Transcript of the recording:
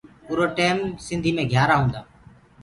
اُرآ ٽيم سنڌيٚ مي گھِيآرآ هونٚدآ۔